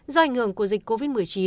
do ảnh hưởng của dịch covid một mươi chín